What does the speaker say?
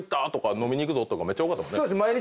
「飲みに行くぞ」とか多かったもんね。